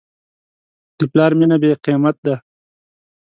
د پلار مینه بېقیمت ده.